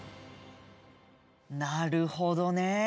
なるほどね。